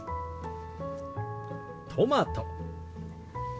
トマト。